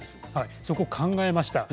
そこは考えました。